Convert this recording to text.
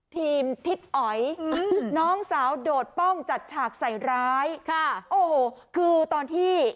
ทิศอ๋อยน้องสาวโดดป้องจัดฉากใส่ร้ายค่ะโอ้โหคือตอนที่